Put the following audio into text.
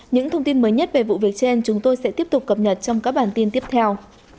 những thông tin mới nhất về vụ việc trên chúng tôi sẽ tiếp tục cập nhật trong các bản tin tiếp theo